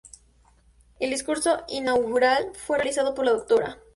El discurso inaugural fue realizado por la Dra.